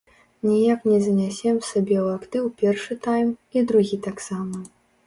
Ніяк не занясем сабе ў актыў першы тайм, і другі таксама.